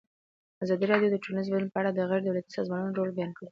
ازادي راډیو د ټولنیز بدلون په اړه د غیر دولتي سازمانونو رول بیان کړی.